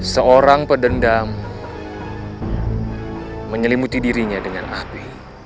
seorang pedendam menyelimuti dirinya dengan api